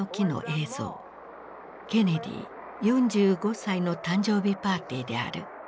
ケネディ４５歳の誕生日パーティーである。